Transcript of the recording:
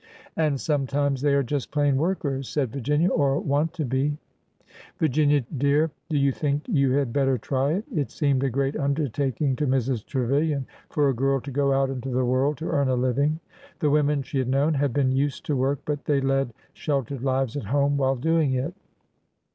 '' And sometimes they are just plain workers," said Virginia, '' or want to be." CONFIRMATION STRONG 367 Virginia, dear, do you think you had better try it ?'' It seemed a great undertaking to Mrs. Trevilian for a girl to go out into the world to earn a living. The women she had known had been used to w^ork, but they led shel tered lives at home while doing it.